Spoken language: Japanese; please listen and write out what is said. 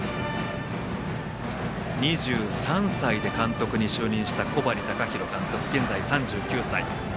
２３歳で監督に就任した小針崇宏監督、現在３９歳。